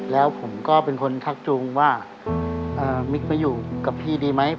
แล้วผมก็เป็นคนทักจูงว่ามิ๊กไปอยู่กับพี่ดีไหม